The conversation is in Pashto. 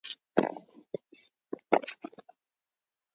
د خوشال اکا پټی شپې ډنډ شوی له پولو یې اوبه اوختي.